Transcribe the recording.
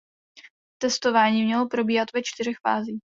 Testování mělo probíhat ve čtyřech fázích.